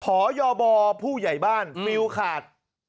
หอยอบอผู้ใหญ่บ้านมิวขาด